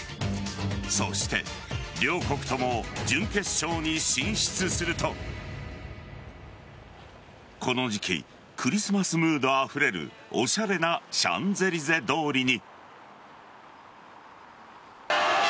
そして両国とも準決勝に進出するとこの時期クリスマスムードあふれるおしゃれなシャンゼリゼ通りに。